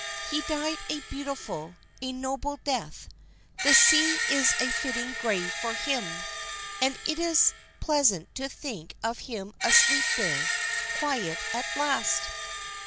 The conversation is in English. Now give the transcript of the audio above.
He died a beautiful, a noble death; the sea is a fitting grave for him, and it is pleasant to think of him asleep there, quiet at last."